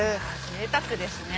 ぜいたくですね。